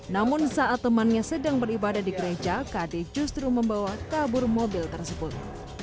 namun saat temannya sedang beribadah di gereja kd justru membawa kabur mobil tersebut